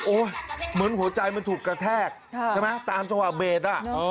โอ๊ยเหมือนหัวใจมันถูกกระแทกใช่ไหมตามเฉพาะเบส